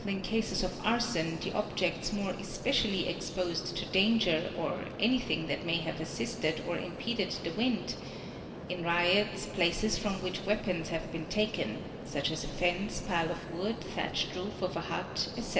in cases of arson the objects more espe cially exposed to danger or anything that may have assisted or impeded the wind—in riots, places from which weapons have been taken (such as a fence, pile of wood, thatched roof of a hut, etc.).